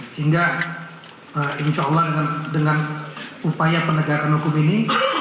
sehingga ingin tahu dengan upaya penegakan hukum ini